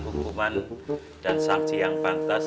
hukuman dan sanksi yang pantas